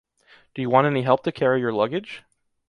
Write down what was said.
Do you want any help to carry your luggage?